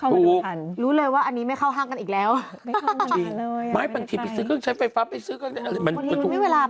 เรายังมีเวลาอีกประมาณ๒๔ชั่วโมงถูก